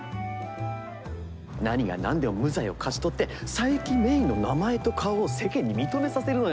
何が何でも無罪を勝ち取って佐伯芽依の名前と顔を世間に認めさせるのよ。